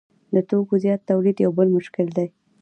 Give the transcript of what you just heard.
د توکو زیات تولید یو بل مشکل دی